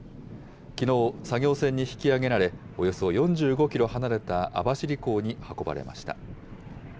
きのう、作業船に引き揚げられ、およそ４５キロ離れた網走港に運ばれました。